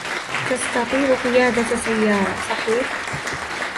تستطيع قيادة سيارة ، صحيح ؟